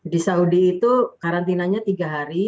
di saudi itu karantinanya tiga hari